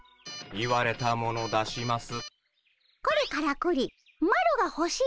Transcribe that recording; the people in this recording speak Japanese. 言われたもの出します。